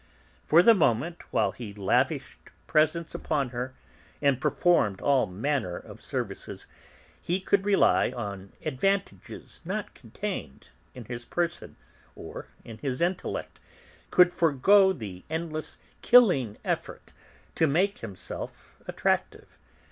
For the moment, while he lavished presents upon her, and performed all manner of services, he could rely on advantages not contained in his person, or in his intellect, could forego the endless, killing effort to make himself attractive.